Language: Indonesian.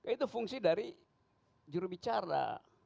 itu fungsi dari jurubicara